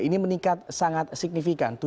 ini meningkat sangat signifikan